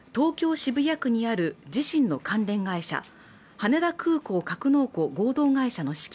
渋谷区にある自身の関連会社羽田空港格納庫合同会社の資金